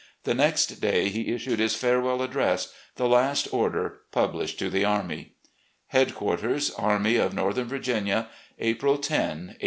The next day he issued his farewell address, the last order published to the army: " Headquarters, Army of Northern Virginia, April lo, 1865.